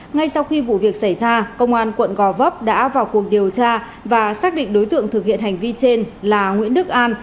ngay sau khi vụ việc xảy ra công an quận gò vấp đã vào cuộc điều tra và xác định đối tượng thực hiện hành vi trên là nguyễn đức an